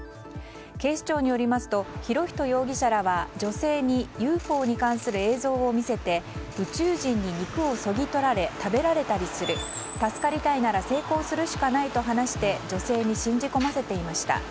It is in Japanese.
警視庁によりますと博仁容疑者らは女性にＵＦＯに関する映像を見せて宇宙人に肉をそぎ取られ食べられたりする助かりたいなら性交するしかないと話して女性に信じ込ませていました。